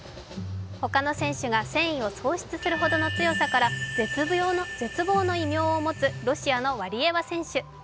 他の選手が戦意を喪失するほどの強さから絶望の異名を持つロシアのワリエワ選手。